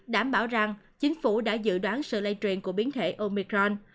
đảm bảo rằng chính phủ đã dự đoán sự lây truyền của biến thể omicron